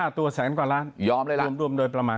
ห้าตัวแสนกว่าร้านรวมโดยประมาณ